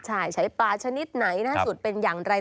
ใช่ใช้ปลาชนิดไหนสูตรเป็นอย่างไร